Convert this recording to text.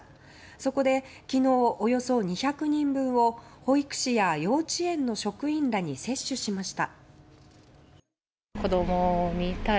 そこで昨日およそ２００人分を保育士や幼稚園の職員らに接種しました。